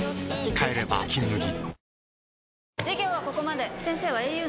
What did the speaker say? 帰れば「金麦」